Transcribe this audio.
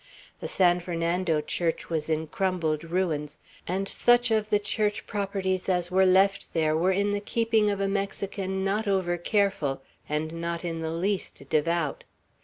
The San Fernando church was in crumbled ruins, and such of the church properties as were left there were in the keeping of a Mexican not over careful, and not in the least devout.